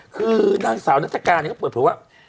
คือนางสาวนักศักดิ์การเนี่ยเขาเปิดผิดว่า